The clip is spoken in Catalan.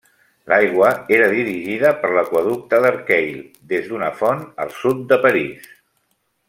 L'aigua era dirigida per l'aqüeducte d'Arcueil des d'una font al sud de París.